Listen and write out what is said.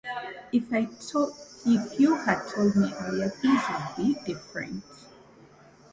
If you had told me earlier, things would be different.